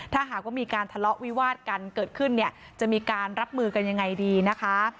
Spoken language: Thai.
ถ้าหากว่ามีการทะเลาะวิวาดกันเกิดขึ้นเนี่ยจะมีการรับมือกันยังไงดีนะคะ